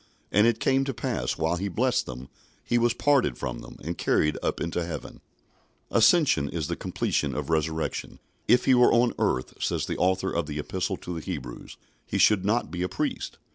And it came to pass, while he blessed them, he was parted from them, and carried up into heaven." Ascension is the completion of Resurrection. "If he were on earth," says the author of the Epistle to the Hebrews, "he should not be a priest."